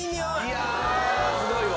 いやすごいわ。